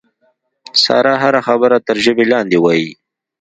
ساره هره خبره تر ژبې لاندې وایي.